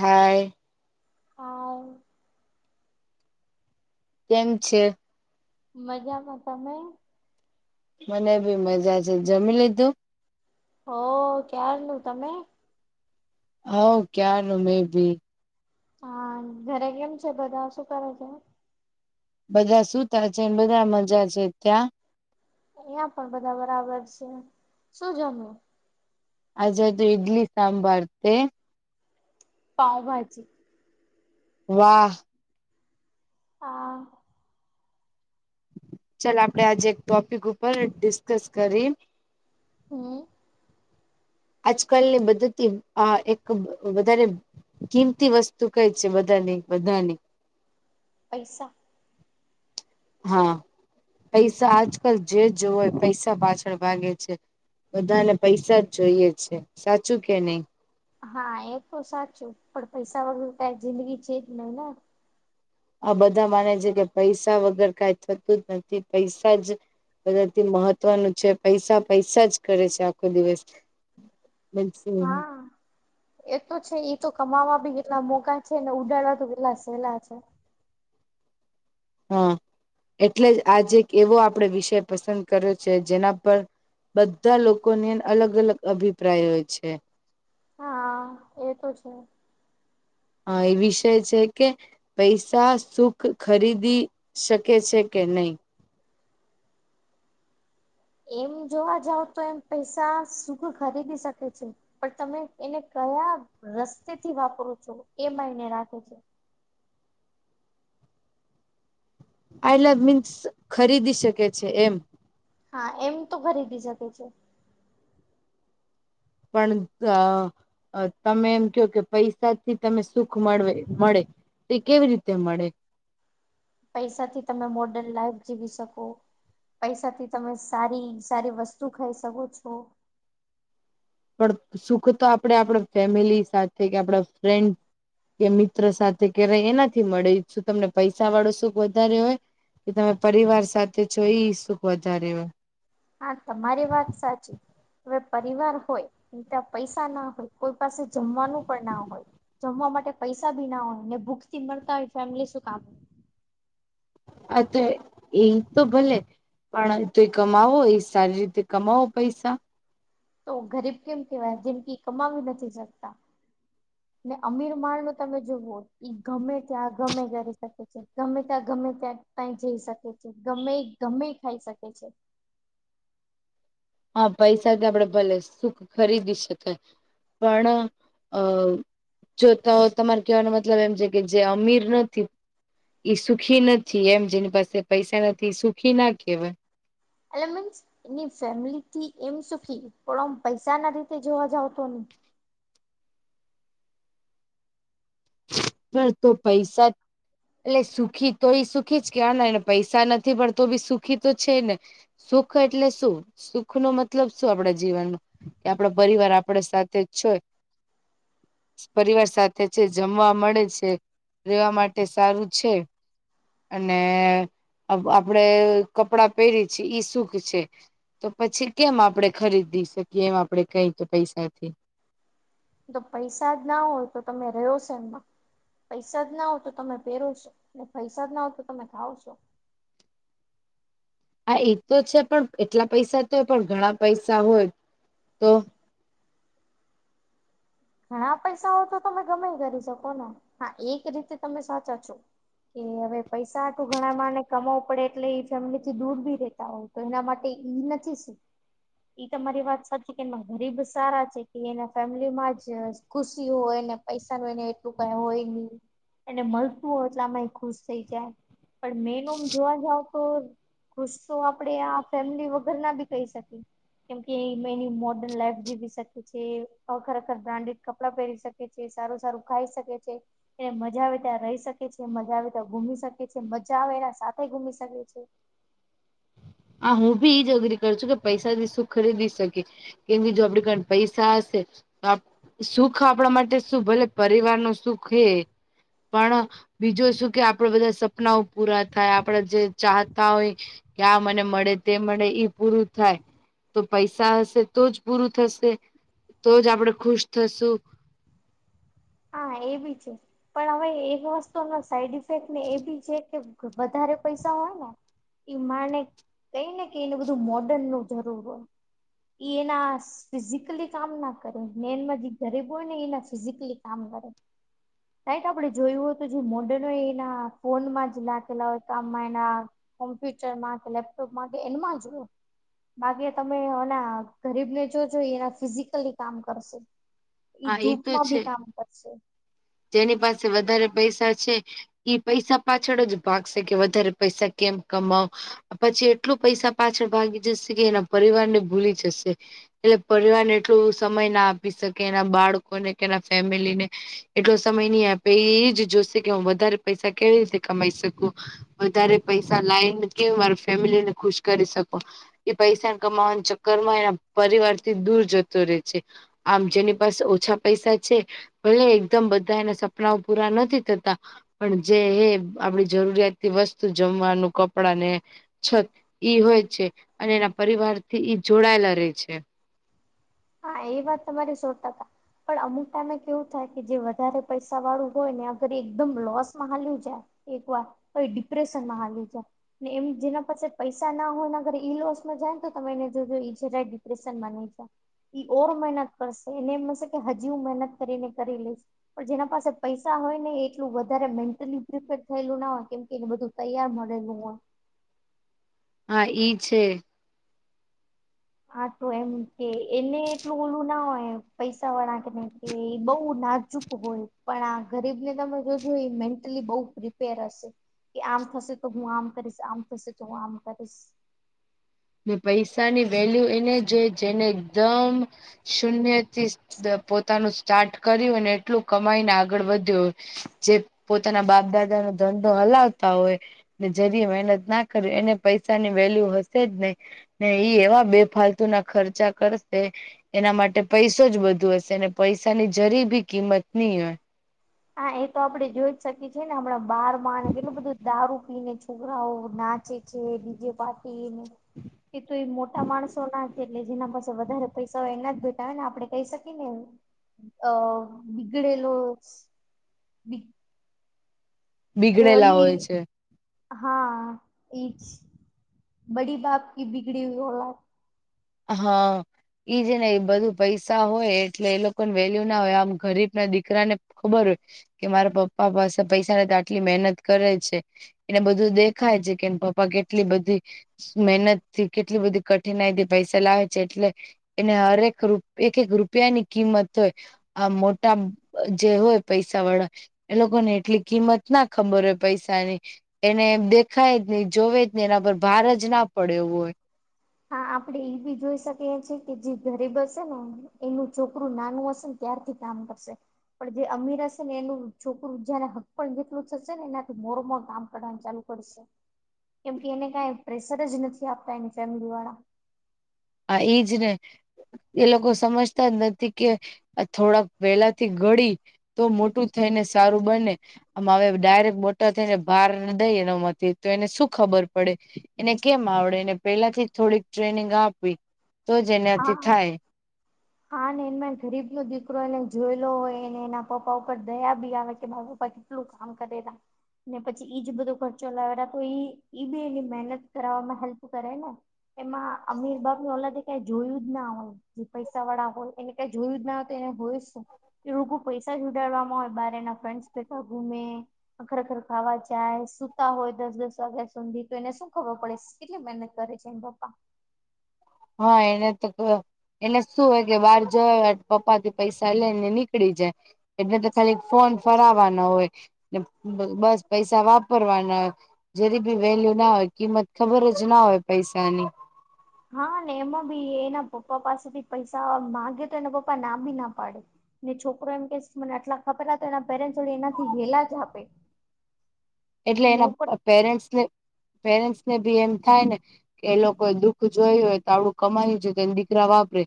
હાય how કેમ છે મજામાં તમે મને બી મજા છે જમી લીધું હો ક્યારનું તમે હવ ક્યારનું મેં બી હા ઘરે કેમ છે બધા શું કરે છે બધા સુતા છે ને બધા અહિયાં પણ બધા બરાબર છે શું જમુ અજે ત ઈડલી સાબાર તે પાવભાજી વાહ હા ચાલ આપડે આજે એક ટોપિક ઉપર ડિસ્કસ કરી હું આજકાલની બદ્ધતિ આ એક વધારે કિંમતી વસ્તુ કઈ છે બધાની બધાની પૈસા હા પૈસા આજકાલ જે જો હોય પૈસા પાછળ ભાગે છે બધાને પૈસા જ જોઈએ છે સાચું કે નહી હા એ તો સાચું પણ પૈસા વગર કઈ જિંદગી છે જ નહી ને આ બધા માને છે કે પૈસા વગર કઈ થતું જ નથી. પૈસા જ બધાથી મહત્વનું છે. પૈસા પૈસા જ કરે છે આખો દિવસ. સેમ [unintelligible] હા એ તો છે તો કમાવા બી કેટલા મોકા છે ને ઉડાડવા તો કેટલા સહેલા છે. હા એટલે જ આજે એક એવો આપડે વિષય પસંદ કર્યો છે જેના પર બધા લોકોને અલગ અલગ અભિપ્રાય હોય છે હા એ તો છે હા એ વિષય છે કે પૈસા સુખ ખરીદી શકે છે કે નઈ એમ જોવા જાવ તો એમ પૈસા સુખ ખરીદી શકે છે પણ તમે એને કયા રસ્તેથી વાપરો છો એ માયાને રાખે છે. આઈ લ મીન્સ ખરીદી શકે છે એમ હા એમ તો ખરીદી શકે છે. પણ તો તમે એમ કો કે પૈસાથી તમે સુખ મળ મળે. તે કેવી રીતે મળે? પૈસાથી તમે મોડ જીવી શકો. પૈસાથી તમે સારી સારી વસ્તુ ખાઈ શકો છો. પણ સુખ તો આપડે આપણા ફેમિલી સાથે કે આપડા ફ્રેન્ડ કે મિત્ર સાથે કે રહે એનાથી મળે શું તમને પૈસા વાળો સુખ વધારે હોય. કે તમે પરિવાર સાથે છો એઈ સુુખ વધારે હોય. હા, તમારી વાત સાચી. હવે, પરિવાર હોય એ ત્યાં પૈસા ના હોય. કોઈ પાસે જમવાનું પણ ના હોય. જમવા માટે પૈસા ભી ના હોય ને ભૂખથી મળતા હોય ફેમિલી શું કામની. હા, તો એ તો ભલે પણ તો એ કમાવો એ સારી રીતે. કમાઓ પૈસા. તો ગરીબ કેમ કેવાય? જેમકી કમાવી નથી શકતા. ને અમીર માળનું તમે જોજો. ઈ ગમે ત્યાં ગમે કરી શકે છે. ગમે ત્યાં ગમે ત્યાં કઈ જઈ શકે છે. ગમે એ ગમે ખાઈ શકે છે. હા, પૈસા તો આપડે ભલે, સુખ ખરીદી શકાય. પણ અ જો તો તમારે કેવાનો મતલબ એમ છે કે જે અમીર નથી. ઈ સુખી નથી. એમ જેની પાસે પૈસા નથી સુખીના કેહેવાય. એટલે મીન્સ એની ફેમિલીથી એમ સુખી પણ આમ પૈસા ના રીતે જોવા જાવ તો નહી. ઘર તો પૈસા જ એટલે સુખી તો એ સુખી જ કેનાને પૈસા નથી પણ તો બી સુખી તો છે ને સુખ એટલે સુખ. સુખનો મતલબ શું? આપણા જીવનમાં. કે આપડો પરિવાર આપડે સાથે જ છય પરિવાર સાથે છે. જમવા મળે છે. રહેેવા માટે સારું છે. અને આપડે કપડાં પહેરી છીએ ઈ સુખ છે. તો પછી કેમ આપડે ખરીદી શકીએ. એમ આપડે કઈ તો પૈસાથી. તો પૈસા જ ના હોય તો તમે રહ્યો છે. એમમાં પૈસા જ ના હોવ તો તમે પહેરો છો ને, પૈસા જ ના હોવ તો તમે ખાવ છો. હા, એ તો છે પણ એટલા પૈસા તો હોય પણ ઘણા પૈસા હોય તો ઘણા પૈસાઓ તો તમે ગમે કરી શકોને. હા, એક રીતે તમે સાચા છો. કે હવે- પૈસા હાટું ઘણા માને કમાવું પડે એટલે એ ફેમિલી થી દૂર બી રેતા હોય તો એના માટે ઈ નથી સુખ. [inaudible] એ તમારી વાત સાચી કે એ ગરીબ સારા છે કે એના ફેમિલીમાં જ ખુશી હોય ને પૈસા ન હોય ને એટલું કઈ હોય નહી. એને મળતું હોય એટલામાં એ ખુશ થઈ જાય પણ મેનોમ જોવા જાવ તો- ખુશો આપડે આ ફેમિલી વગર ના બી કહી શકીએ. કેમ કે એ મે એની મોડન લાઈફ જીવી શકી છે. ખરા બ્રાન્ડેડ કપડા પહેરી શકે છે. સારું સારું ખાઈ શકે છે. એને મજા આવે. ત્યાં રહી શકે છે. મજા આવે ત્યાં ઘુમી શકે છે. મજા આવે એના સાથે ઘુમ શકે છે. હા, હું બી ઈજ અઘરી કરું છું કે પૈસાથી શું ખરીદી શકે. કે બીજું આપડી કન પૈસા હશે તો આપ સુખ આપણા માટે શું ભલે પરિવારનું સુખ હે પણ બીજો સુખ એ આપણે બધા સપનાઓ પૂરા થાય, આપણે જે ચાહતા હોય. કે આ મને મળે, તે મળે ઈ પૂરું થાય તો પૈસા હશે તો જ પૂરું થશે? તો જ આપણે ખુશ થશું. હા, એ બી છે પણ હવે એક વસ્તુનો સાઈડ ઇફેક્ટને એ બી છે કે વધારે પૈસા હોય ને ઈ માણને કઈ ને કે એનું બધું મોડર્નનું જરૂર હોય. ઈ એના ફિઝિકલી કામ ન કરે. મેન માં જે ગરીબ હોય ને એના ફિઝિકલી કામ કરે. રાઈટ આપડે જોયું હત તું જે મોર્ડન હોય એના ફોનમાં જ નાખેલા હોય કામમાં એના કોમ્પ્યુટરમાં કે લેપટોપમાં કે એનમાં જ હોય. બાકી તમે ઓના ગરીબને જોજો ઈ એના ફિઝિકલી કામ કરશે. ઈ હા એ તો ધૂપમાં છે બી કામ કરશે. જેની પાસે વધારે પૈસા છે. ઈ પૈસા પાછળ જ ભાગશે કે વધારે પૈસા કેમ કમાવ. અ પછી એટલું પૈસા પાછળ ભાગી જશે કે એના પરિવારને ભૂલી જશે. એટલે પરિવારને એટલો સમય ના આપી શકે એના બાળકોને કે એના ફેમિલીને એટલો સમય ની આપે. એ ઈજ જોશે કે હું વધારે પૈસા કેવી રીતે કમાઈ શકું. વધારે પૈસા લાઈન કે મારા ફેમિલીને ખુશ કરી શકો. ઈ પૈસા કમાવાના ચક્કરમાં એના પરિવારથી દૂર જત તો રે છે. આમ જેની પાસે ઓછા પૈસા છે ભલે એ બધાંયના સપનાઓ પૂરા નથી થતા. પણ જે હે આપણે જરૂરિયાતતી વસ્તુ જમવાનું, કપડાંને છત ઈ હોય છે. અને એના પરિવારથી ઈ જોડાયેલા રહેે છે. હા એ વાત તમારી સો ટકા પણ અમુક ટાઈમે કેવું થાય કે જે વધારે પૈસાવાળું હોય ને અગર એ એકદમ લોસમાં હાલ્યું જાય. એકવાર તો ઈ ડિપ્રેશનમાં હાલ્યું જાય. ને એમ જેના પાસે પૈસ પૈસા ના હોય ને અગર ઈ લોસમાં જાય ને તો તમે એને જોજો ઈ જરાય ડિપ્રેશનમાં નહી જાય. ઈ ઓર મહેનત કરશે એને એમ હશે કે હજી હું મહેનત કરીને કરી લઈશ. પણ જેના પાસે પૈસા હોય ને એટલું વધારે મેન્ટલી પ્રિપેર થયેલું ના હોય કેમ કે એને બધું તૈયાર મલેલું હોય. હા ઈ છે. હા તો એમ કે એને એટલું ઓલું ના હોય પૈસાવાળા કને એ બહુ નાજુક હોય. પણ આ ગરીબને તમે જોજો ઈ મેન્ટલી બહુ પ્રિપેર હશે. કે આમ થશે તો હું આમ કરીશ આમ થશે તો હું આમ કરીશ. ને પૈસાની વેલ્યુ એને જ હે જેને એકધમ શૂન્યથી દ પોતાનું સ્ટાર્ટ કર્યું હોયને એટલું કમાઈને આગળ વધ્યો હોય. જે પોતાના બાપ દાદાનો ધંધો હલાવતા હોય. ને જરીએ મહેનત ના કરી એને પૈસાની વેલ્યુ હશે જ નહી. ને ઈ એવા બે ફાલતુના ખર્ચા કરશે એના માટે પૈસો જ બધુ હશે ને પૈસાની જરી ભી કિંમત ની હોય. હા એ તો આપડે જોઈ જ શકીએ છીએ ને હમણાં બારમાં ને કેટલું બધું દારૂ પીને જ છોકરાઓ નાચે છે, ડીજે પાટ ટીને એ તો એ મોટા માણસોના જ એટલે જેના પાસ સે વધારે પૈસા હોય એના જ બેટા હોય ને આપડે કહી શકીને એવું. અ બીગડેલો [inaudible] અરે બિગડેલા ઓલી હોય છે હા ઈજ. બડી બાપ કી બિગડી હુઈ ઓલાદ. હા જે ન એ બધું. પૈસા હોય એટલે એ લોકો વેલ્યુ ના હોય આમ ગરીબ ના દીકરાને ખબર હોય. કે મારા પપ્પા પાસે પૈસા ને તો આટલી મહેનત કરે છે. એને બધું દેખાય છે કેમ પપ્પા કેટલી બધી મહેનત થી કે એટલી બધી કઠિનાઈ હતી પૈસા લાવે છે એટલે એને હરેક રૂ એક એક રૂપિયાની કિંમત હોય આ મોટા જે હોય પૈસા વાળા એ લોકોને એટલી કિંમત ના ખબર હોય પૈસાની. એને દેખાય જ નય જોવે જ ને એના પર ભાર જ ના પડ્યો હોય. હા આપડે એ બી જોઈ શકીએ છે કે જે ગરીબ હશે ને એનું છોકરું નાનું હશે ને ત્યારથી કામ કરશે પણ જે અમીર હશે ને એનું છોકરું જેને હક પણ જેટલું થશે ને એનાથી મોર મોર કામ કરવાનું ચાલુ કર કેમકે એને કઈ પ્રેશર જ નથી આપતા એની ફેમિલીવાળા આ એ જ ને એ લોકો સમજતા જ નથી કે આ થોડાક વહેલા ગડી તો મોટું થઈને સારું બને આ હવે ડાયરેક્ટ તો થઈને ભાર દઈ એના માંથી તો એને શું ખબર પડે એને કેમ આવડે એને પેલાથી થોડીક ટ્રેનિંગ આપવી તો હા એનાથી થાય હા ને એમાં ગરીબ નો દીકરો એને જોયેલો હોયને એના પપ્પા ઉપર દયા બી આવે કે બા પપ્પા કેટલું કામ કરે તા ને પછી ઈજ બધો ખર્ચો લાવે તો એ ઈ બી એની મહેનત કરાવવામાં હેલ્પ કરે ને એમાં અમીર બાપની ઓલાદે કય જોયું જ ના હોય જે પૈસા વાળા હોય એને કઈ જોયું જ ના હો તો એને હોયું શું? એ લોકો પૈસા જ ઉડાાડવામાં હોય બારે ના ફ્રેન્ડ કરતા બધા ગુમે ખરેખર ખાવા જાય સુતા હોય દસ દસ વાગ્યા સુધી તો એને શું ખબર પડે કેટલી મહેનત કરે છે એન પપ્પા હા એને તો એને શું હોય કે બહાર જવા પપ્પા થી પૈસા લઈ ને નીકળી જાય એટલે તો ખાલી ફોન ફરવા ના હોય ને બસ પૈસા વાપરવાના જેની બી વેલ્યુ ના હોય કિંમત ખબર જ ના હોય પૈસાની હાને એમાં બી એના પપ્પા પાસેથી પૈસા માંગે તો એના પપ્પા ના બી ના પાડે ને છોકરો એમ કે મને આટલા ખબર તો એના પેરેન્ટસ એનાથી હેલા જ આપે. એટલે ને એના ઉપર પેરેન્ટસ પેરેન્ટસ ને ભી એમ થાય ને કે એ લોકો દુઃખ જોય હોય તો આવડું કમાય છે તો એ દીકરા વાપરે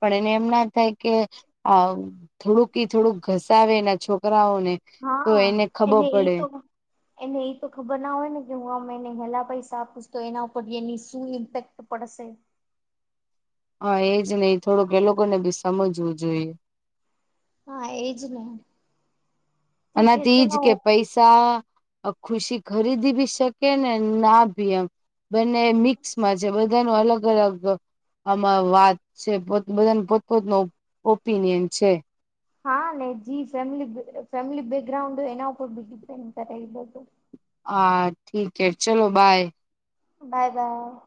પણ એને એમ ના થાય કે આ થોડુંક એ થોડુંક ઘસાવે એના છોકરાઓને તો હા એને ખબર એ પડે. તો એને એ તો ખબર ના હોય ને કે હું આમ એને હેલા પૈસા આપીશ તો એના ઉપરની શું ઇમ્પેક્ટ પડશે. હા એજ ને થોડુંક એ લોકો ને બી સમજવું જોઈએ. હા એજ ને ઠીક છે આનાથી જ ચલો કે પૈસા આ ખુશી ખરીદી ભી શકે ને ના ભી એમ બંને મિક્સમાં છે બધા ન અલગ અલગ અમાર વાત છે બધાને પોતપોતનો ઓપિનિયન છે. હા ને જી ફેમિલી ફેમિલી બેકગ્રાઉન્ડ હોય એના ઉપર બી ડિપેન્ડ કરે એ બધું હા ઠીક હે ચલો બાય. Bye by.